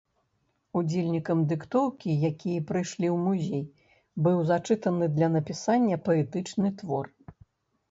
Удзельнікам дыктоўкі, якія прыйшлі ў музей, быў зачытаны для напісання паэтычны твор.